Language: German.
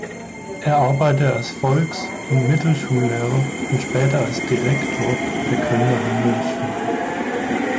Er arbeitete als Volks- und Mittelschullehrer und später als Direktor der Kölner Handelsschule.